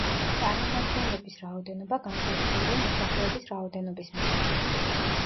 წარმომადგენლების რაოდენობა განსაზღვრულია მოსახლეობის რაოდენობის მიხედვით.